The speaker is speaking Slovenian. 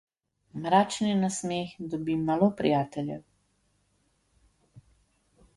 Mračni nasmeh dobi malo prijateljev.